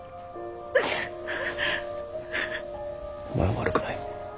お前は悪くない。